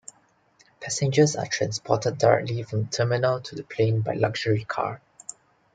Passengers are transported directly from the terminal to the plane by luxury car.